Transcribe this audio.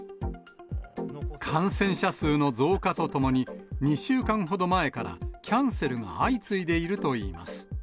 感染者数の増加とともに、２週間ほど前からキャンセルが相次いでいるといいます。